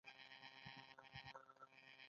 د عوامو د حقوقو د خوندیتوب لپاره مبارزه وه.